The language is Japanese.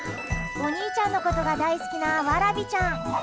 お兄ちゃんのことが大好きなわらびちゃん。